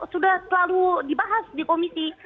sudah selalu dibahas di komisi